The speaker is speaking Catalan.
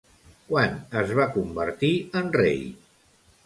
Quan es va convertir en rei?